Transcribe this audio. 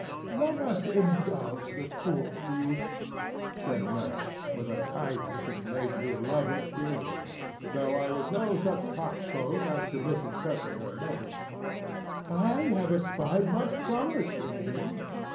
rsquo;" "Let us indulge the poor youth," said Mirth, with a kindness which made me love her dearly, though I was no such coxcomb as to misinterpret her motives. "I have espied much promise in him.